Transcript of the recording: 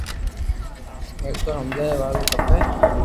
اينو ھمجايا وارو کپي